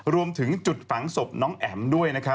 รวมถึงจุดฝังศพน้องแอ๋มด้วย